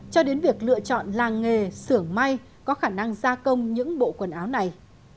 cho đến việc lựa chọn làng nghề sưởng may có khả năng gia công những bộ quần áo này